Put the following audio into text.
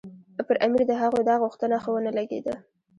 پر امیر د هغوی دا غوښتنه ښه ونه لګېده.